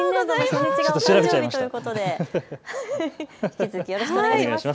新年度の初日がお誕生日ということで引き続きよろしくお願いします。